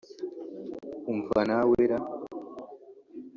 Umva na we ra